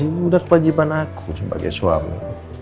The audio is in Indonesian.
itu udah kewajiban aku sebagai suami